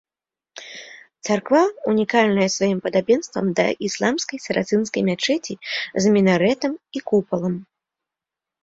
Царква ўнікальная сваім падабенствам да ісламскай сарацынскай мячэці з мінарэтам і купалам.